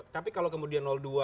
tapi kalau kemudian dua